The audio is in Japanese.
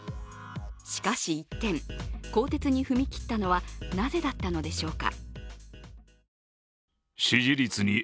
しかし一転、更迭に踏み切ったのはなぜだったのでしょうか。